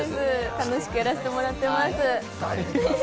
楽しくやらせてもらっています。